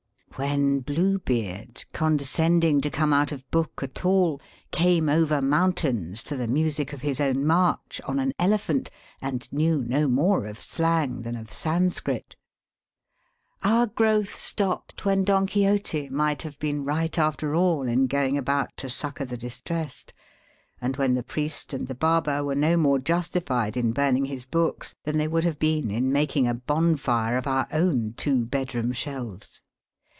When Blue Beard, conde scending to come out of book at all, came over mountains, to the music of his own march, on an elephant, and knew no more of slang than of Sanscrit. Our growth stopped, when Don Quixote might have been right after all in going about to succour the distressed, and when the priest and the barber were no more justified in burning his books than they would have been in making a bonfire of our own two bed room shelves.